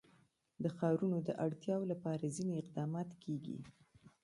د ښارونو د اړتیاوو لپاره ځینې اقدامات کېږي.